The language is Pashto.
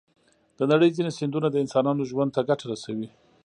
د نړۍ ځینې سیندونه د انسانانو ژوند ته ګټه رسوي.